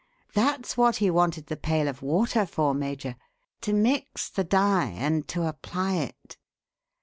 That's what he wanted the pail of water for, Major to mix the dye and to apply it.